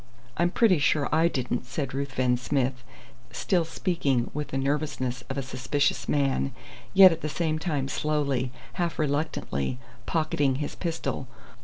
"I'm pretty sure I didn't," said Ruthven Smith, still speaking with the nervousness of a suspicious man, yet at the same time slowly, half reluctantly, pocketing his pistol.